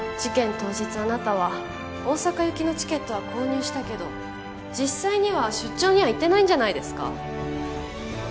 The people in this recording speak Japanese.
当日あなたは大阪行きのチケットは購入したけど実際には出張には行ってないんじゃないですか？